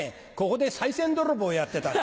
ここで賽銭泥棒をやってた。